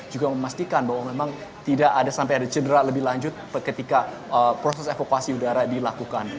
juga memastikan bahwa memang tidak ada sampai ada cedera lebih lanjut ketika proses evakuasi udara dilakukan